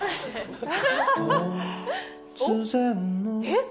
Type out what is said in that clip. えっ？